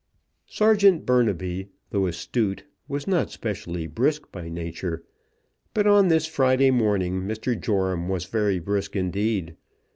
Serjeant Burnaby, though astute, was not specially brisk by nature; but on this Friday morning Mr. Joram was very brisk indeed.